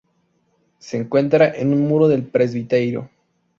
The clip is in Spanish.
Se encuentra en un muro del presbiterio.